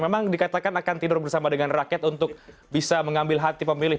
memang dikatakan akan tidur bersama dengan rakyat untuk bisa mengambil hati pemilih